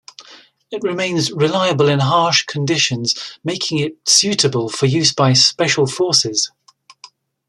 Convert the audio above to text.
It remains reliable in harsh conditions, making it suitable for use by special forces.